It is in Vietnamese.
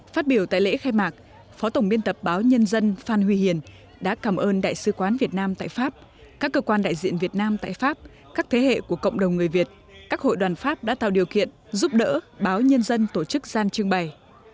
phát biểu tại lễ khai mạc phó tổng biên tập báo nhân dân phan huy hiền đã cảm ơn đại sứ quán việt nam tại pháp các cơ quan đại diện việt nam tại pháp các thế hệ của cộng đồng người việt các hội đoàn pháp đã tạo điều kiện giúp đỡ báo nhân dân tổ chức gian trưng bày